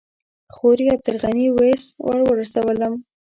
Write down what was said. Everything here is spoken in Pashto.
خوريي عبدالغني ویس ورسولم.